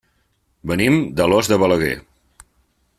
Venim d'Alòs de Balaguer.